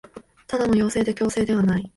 ただの要請で強制ではない